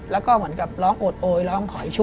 แล้วก็เหมือนมันอดโดยร้องขอยช่วย